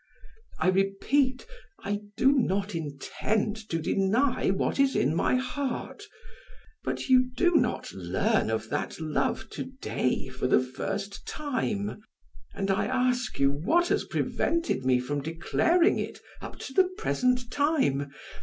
I repeat I do not intend to deny what is in my heart; but you do not learn of that love to day for the first time, and I ask you what has prevented me from declaring it up to the present time?